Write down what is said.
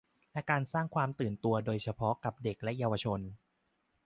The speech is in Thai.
และการสร้างความตื่นตัวโดยเฉพาะกับเด็กและเยาวชน